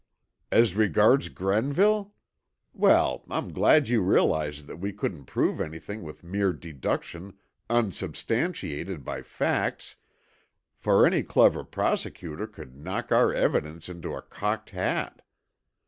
"As regards Grenville? Well, I'm glad you realize that we couldn't prove anything with mere deduction unsubstantiated by facts, for any clever prosecutor could knock our evidence into a cocked hat.